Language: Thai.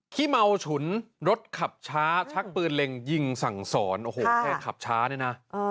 ขี้เมาฉุนรถขับช้าชักปืนเล็งยิงสั่งสอนโอ้โหแค่ขับช้าเนี่ยนะ